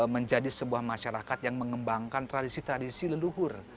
menjadi sebuah masyarakat yang mengembangkan tradisi tradisi leluhur